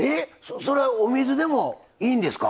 それはお水でもいいんですか？